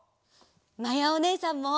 まやおねえさんも。